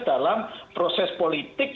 dalam proses politik